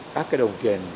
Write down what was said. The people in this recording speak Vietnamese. các đồng tiền